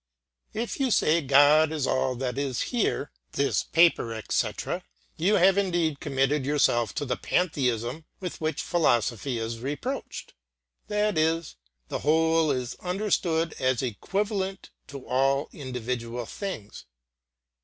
If you say God is all that is here, this paper, etc., you have indeed committed yourself to the pantheism with which philosophy is reproached; that is, the whole is understood as equivalent to all individual things.